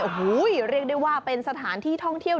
โอ้โหเรียกได้ว่าเป็นสถานที่ท่องเที่ยว